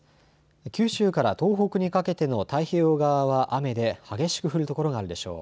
九州から東北にかけての太平洋側は雨で激しく降る所があるでしょう。